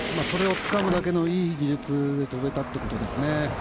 それをつかむだけのいい技術で飛べたということですね。